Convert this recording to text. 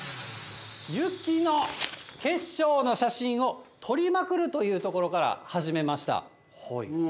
雪の結晶の写真を撮りまくるというところから始めました。